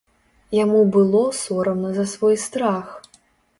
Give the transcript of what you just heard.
Яму было сорамна за свой страх.